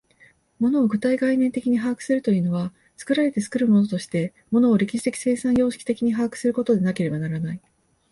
物を具体概念的に把握するというのは、作られて作るものとして物を歴史的生産様式的に把握することでなければならない。